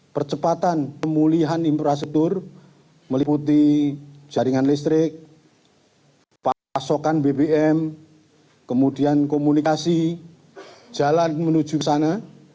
percepatan pemulihan infrastruktur meliputi jaringan listrik pasokan bbm kemudian komunikasi jalan menuju ke sana